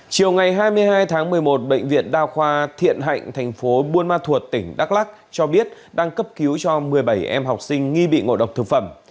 chiều ngày hai mươi hai tháng một mươi một bệnh viện đa khoa thiện hạnh thành phố buôn ma thuột tỉnh đắk lắc cho biết đang cấp cứu cho một mươi bảy em học sinh nghi bị ngộ độc thực phẩm